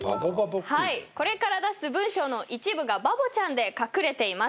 これから出す文章の一部がバボちゃんで隠れています。